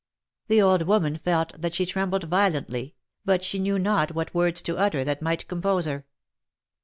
The old woman felt that she trembled violently, but knew not what words to utter that might compose her.